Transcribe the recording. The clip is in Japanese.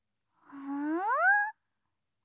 うん！